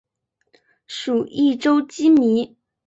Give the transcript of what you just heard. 属邕州羁縻。